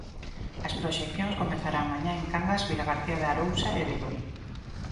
As proxeccións comezarán mañá en Cangas, Vilagarcía de Arousa e Vigo.